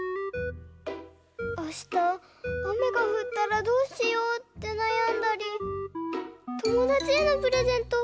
あしたあめがふったらどうしようってなやんだりともだちへのプレゼント